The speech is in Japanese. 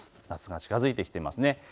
夏が近づいてきています。